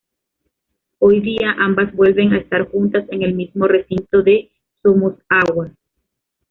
Hoy día, ambas vuelven a estar juntas en el mismo recinto, de Somosaguas.